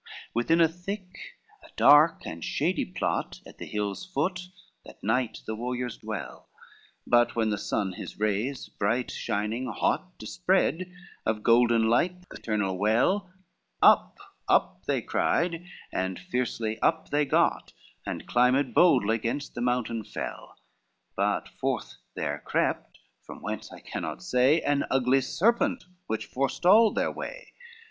XLVII Within a thick, a dark and shady plot, At the hill's foot that night the warriors dwell, But when the sun his rays bright, shining, hot, Dispread of golden light the eternal well, "Up, up," they cried, and fiercely up they got, And climbed boldly gainst the mountain fell; But forth there crept, from whence I cannot say, An ugly serpent which forestalled their way.